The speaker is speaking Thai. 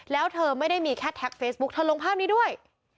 แล้วเธอไม่ได้มีแค่แท็กเฟซบุ๊กเธอลงภาพนี้ด้วย